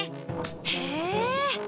へえ！